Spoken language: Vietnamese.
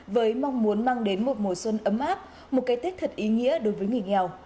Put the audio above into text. với mong muốn mang đến một mùa xuân ấm áp một cái tết thật ý nghĩa đối với người nghèo